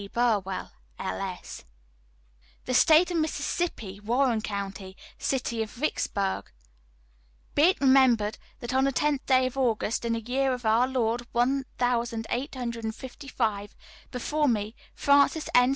BURWELL, [L.S.]" "THE STATE OF MISSISSIPPI, WARREN COUNTY, CITY OF VICKSBURG. } SS. "Be it remembered, that on the tenth day of August, in the year of our Lord one thousand eight hundred and fifty five, before me, Francis N.